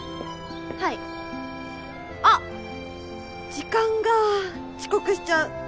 時間が遅刻しちゃう。